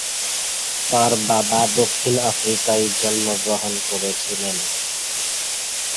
তার বাবা দক্ষিণ আফ্রিকায় জন্মগ্রহণ করেছিলেন।